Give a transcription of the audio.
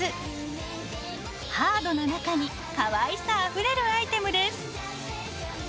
ハードな中にかわいさあふれるアイテムです。